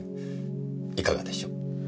いかがでしょう？